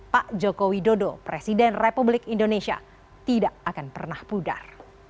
pak joko widodo presiden republik indonesia tidak akan pernah pudar